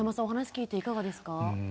お話聞いていかがですか？